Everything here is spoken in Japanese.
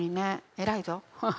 偉いぞ。